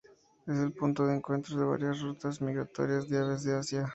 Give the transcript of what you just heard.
Es el punto de encuentro de varias rutas migratorias de aves en Asia.